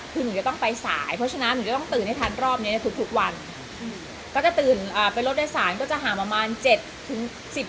เพราะฉะนั้นหนูก็เลยจะแบบ